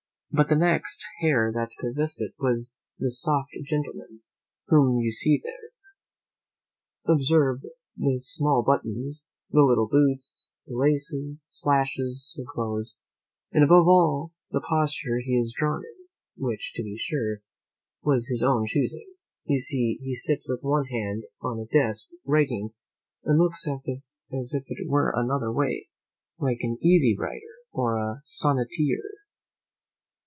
But the next heir that possessed it was this soft gentleman, whom you see there: observe the small buttons, the little boots, the laces, the slashes about his clothes, and above all the posture he is drawn in (which to be sure was his own choosing); you see he sits with one hand on a desk writing and looking as it were another way, like an easy writer, or a sonneteer.